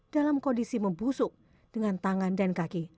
dalam kondisi membusuk dengan tangan dan kaki